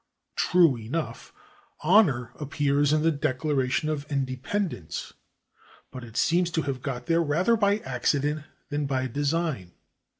True enough, /honor/ appears in the Declaration of Independence, but it seems to have got there rather by accident than by design.